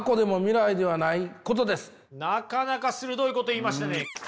なかなか鋭いこと言いましたね。